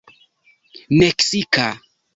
meksika